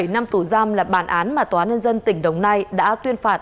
bảy năm tù giam là bản án mà tòa án nhân dân tỉnh đồng nai đã tuyên phạt